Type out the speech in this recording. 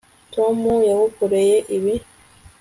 tom yagukoreye ibi